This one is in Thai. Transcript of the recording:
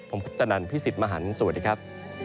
ผมคุปตนันพี่สิทธิ์มหันฯสวัสดีครับ